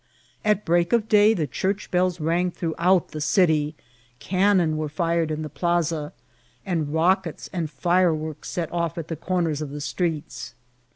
At break erf day the church bells rang TAKING THB BLACK TBIL. 211 duroughoot the city, cannon were fired in the plasa, and rockets and fireworks set off at the ccnrners of the streets.